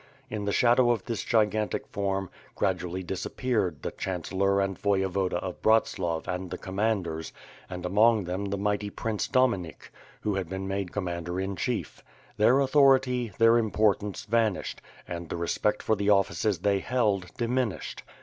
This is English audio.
In the shadow of this gigantic form, gradually disappeared the chancellor and Voyevoda of Bratslav and the commanders, and among them the mighty Prince Dominik, who had been made commander in chief. Their authority, their importance vanished, and the respect for the offices they held, diminished.